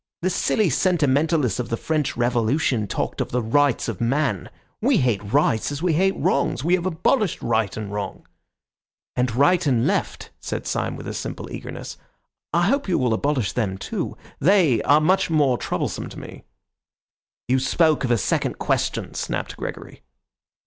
The silly sentimentalists of the French Revolution talked of the Rights of Man! We hate Rights as we hate Wrongs. We have abolished Right and Wrong." "And Right and Left," said Syme with a simple eagerness, "I hope you will abolish them too. They are much more troublesome to me." "You spoke of a second question," snapped Gregory.